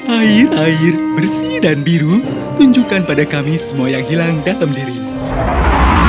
air air bersih dan biru tunjukkan pada kami semua yang hilang datang dari ini